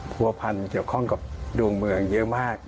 ผัวพันธ์เกี่ยวข้องกับดวงเมืองเยอะมาก